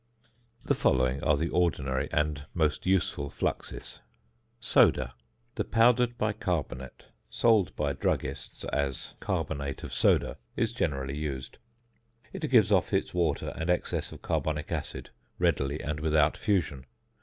The following are the ordinary and most useful fluxes: ~Soda.~ The powdered bicarbonate, sold by druggists as "carbonate of soda," is generally used. It gives off its water and excess of carbonic acid readily and without fusion.